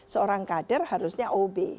seorang kader harusnya obe